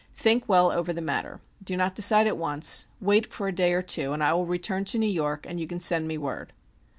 Think well over the matter. Do not decide at once; wait for a day or two, and I will return to New York and you can send me word."